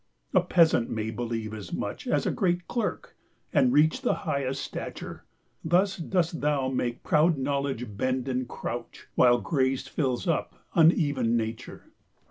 A peasant may beleeve as much As a great Clerk, and reach the highest stature. 30 Thus dost thou make proud knowledge bend & crouch, While grace fills up uneven nature.